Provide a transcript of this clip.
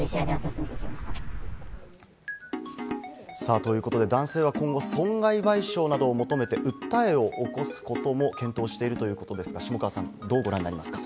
ということで男性は今後、損害賠償などを求めて訴えを起こすことも検討しているということですが、下川さん、どうご覧になりますか？